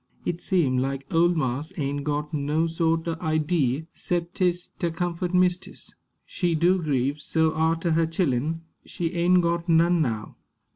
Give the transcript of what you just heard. It seem like ole marse ain' got no sort o' idee, 'cep 'tis ter comfort mistis. She do grieve so arter her chillen. She ain' got none now."